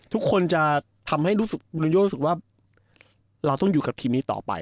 ทุกคนจะทำให้รู้สึกโลโยรู้สึกว่าเราต้องอยู่กับทีมนี้ต่อไป